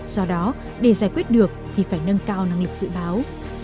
do đó để giải quyết được thì phải nâng cao năng lực dự báo